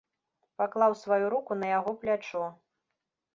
Паклаў сваю руку на яго плячо.